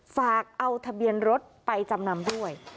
ฝากเอาทะเบียนรถไปจำนำด้วย